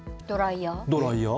ドライヤー。